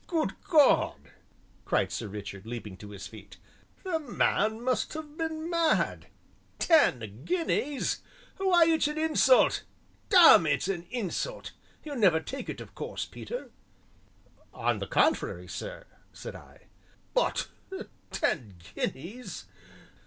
"Good God!" cried Sir Richard, leaping to his feet, "the man must have been mad. Ten guineas why, it's an insult damme! it's an insult you'll never take it of course, Peter." "On the contrary, sir," said I. "But ten guineas!"